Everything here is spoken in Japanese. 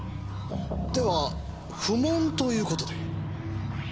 では不問という事で。